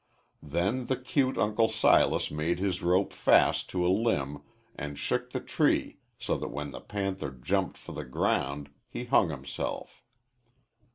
Then the cute Uncle Silas made his rope fast to a limb and shook the tree so that when the panther jumped for the ground he hung himself.